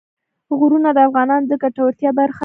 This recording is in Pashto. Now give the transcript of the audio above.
غرونه د افغانانو د ګټورتیا برخه ده.